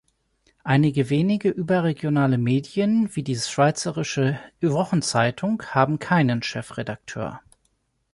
Einige wenige überregionale Medien wie die schweizerische "Wochenzeitung" haben keinen Chefredakteur.